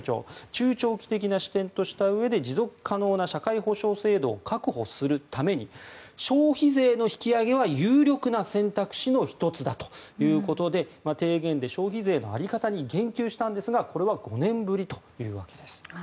中長期的な視点としたうえで持続可能な社会保障制度を確保するために消費税の引き上げは有力な選択肢の１つだということで提言で消費税の在り方に言及したんですがこれは５年ぶりというわけです。